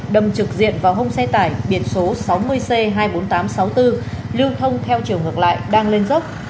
đâm trực diện vào hông xe tải biển số sáu mươi c hai mươi bốn nghìn tám trăm sáu mươi bốn lưu thông theo chiều ngược lại đang lên dốc